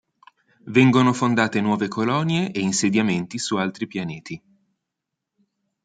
Vengono fondate nuove colonie e insediamenti su altri pianeti.